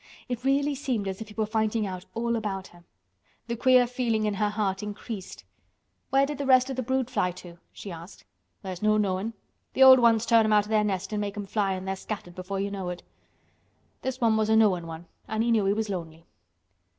It really seemed as if he were finding out all about her. The queer feeling in her heart increased. "Where did the rest of the brood fly to?" she asked. "There's no knowin'. The old ones turn 'em out o' their nest an' make 'em fly an' they're scattered before you know it. This one was a knowin' one an' he knew he was lonely."